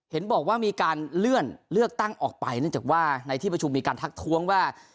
เห็นบอกว่ามีการเลื่อนเลือกตั้งออกไปเนื่องจากว่าในที่ประชุมมีการทักท้วงว่า